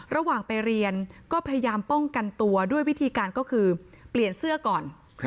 ระหว่างไปเรียนก็พยายามป้องกันตัวด้วยวิธีการก็คือเปลี่ยนเสื้อก่อน